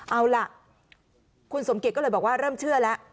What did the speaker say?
เอาล่ะคุณสมเกียจก็เลยบอกว่าเริ่มเชื่อแล้ว